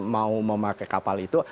mau memakai kapal itu